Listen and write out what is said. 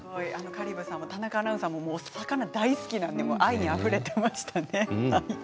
香里武さんも田中アナウンサーも魚が大好きで愛にあふれていますね。